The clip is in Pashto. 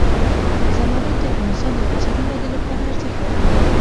زمرد د افغانستان د اقتصادي ودې لپاره ارزښت لري.